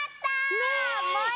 ねえ。